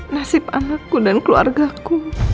nasib anakku dan keluarga ku